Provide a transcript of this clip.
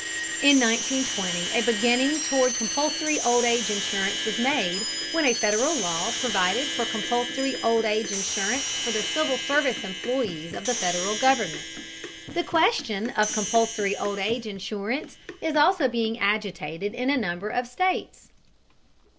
In 1920, a beginning toward compulsory old age insurance was made, when a Federal law provided for compulsory old age insurance for the civil service employees of the Federal government. The question of compulsory old age insurance is also being agitated in a number of states.